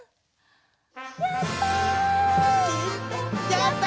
やった！